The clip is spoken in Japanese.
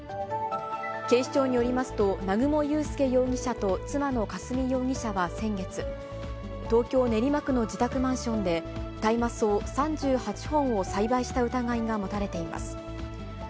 警視庁によりますと、南雲雄介容疑者と妻の霞容疑者は先月、東京・練馬区の自宅マンションで、大麻草３８本を栽培した疑いが持たれています。